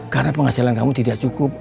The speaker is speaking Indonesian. karena penghasilan kamu tidak cukup